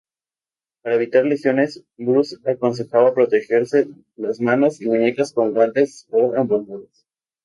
Para evitar lesiones Bruce aconsejaba protegerse las manos y muñecas con guantes o envolturas.